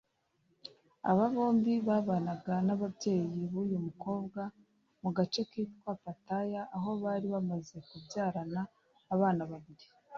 Aba bombi babanaga n’ababyeyi b’uyu mukobwa mu gace kitwa Pattaya aho bari bamaze kubyarana abana babiri